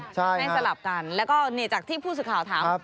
ให้สลับกันแล้วก็จากที่ผู้สื่อข่าวถาม